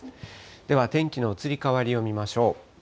では、天気の移り変わりを見ましょう。